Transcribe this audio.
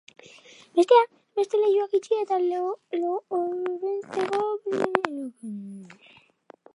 Besteak beste, leihoak itxi eta loreontzietako platerak kentzeko gomendatu die.